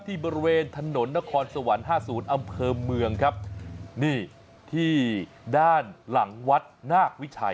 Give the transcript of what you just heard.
บริเวณถนนนครสวรรค์ห้าศูนย์อำเภอเมืองครับนี่ที่ด้านหลังวัดนาควิชัย